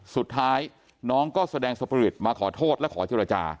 สุดท้ายน้องก็แสดงสปริตมาขอโทษและขอเจรจา